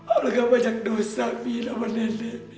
olga banyak dosa min sama nenek min